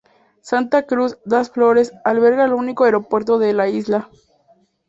Santa Cruz das Flores alberga el único aeropuerto de la isla.